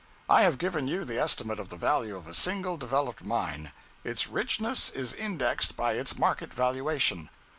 I have given you the estimate of the value of a single developed mine. Its richness is indexed by its market valuation.